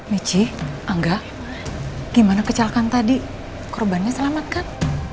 michi angga gimana kecelakaan tadi korbannya selamat kan